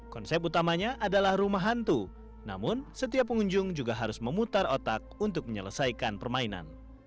konsep utamanya adalah rumah hantu namun setiap pengunjung juga harus memutar otak untuk menyelesaikan permainan